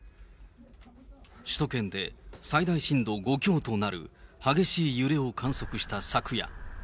首都圏で最大震度５強となる激しい揺れを観測した昨夜。